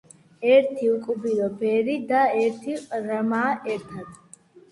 ერთი უკბილო ბერი და ერთი ყრმა ერთად .